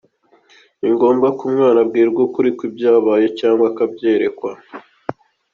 Ni ngombwa ko umwana abwirwa ukuri kw’ibyabaye cyangwa akabyerekwa.